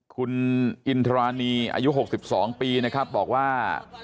คุณอินทรานีอายุ๖๒ปีนะครับบอกว่า